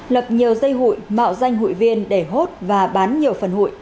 lập nhiều dây hụi mạo danh hụi viên để hốt và bán nhiều phần hụi